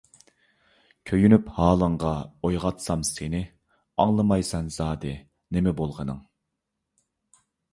كۆيۈنۈپ ھالىڭغا، ئويغاتسام سېنى، ئاڭلىمايسەن زادى، نېمە بولغىنىڭ؟